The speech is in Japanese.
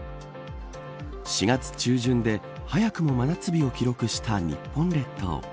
４月中旬で、早くも真夏日を記録した日本列島。